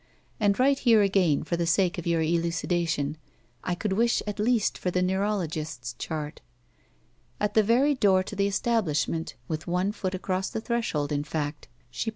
And right here again, for the sake of your elucidation, I could wish at least for the neurolo gist's chart. At the very door to the establishment — ^with one foot across the threshold, in fact — she lOO BACK PAY: .